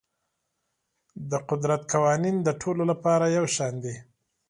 د قدرت قوانین د ټولو لپاره یو شان دي.